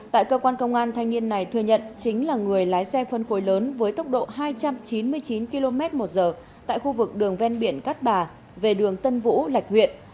tại cơ quan công an thanh niên này thừa nhận chính là người lái xe phân khối lớn với tốc độ hai trăm chín mươi chín km một giờ tại khu vực đường ven biển cát bà về đường tân vũ lạch huyện